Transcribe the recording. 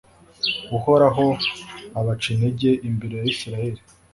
uhoraho abaca intege imbere ya israheli